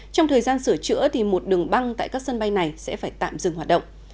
trong thời gian sửa chữa một đường băng tại các sân bay này sẽ phải tạm dừng hoạt động